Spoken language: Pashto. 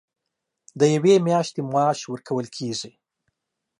د یوې میاشتې معاش ورکول کېږي.